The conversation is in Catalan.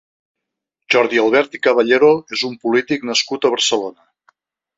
Jordi Albert i Caballero és un polític nascut a Barcelona.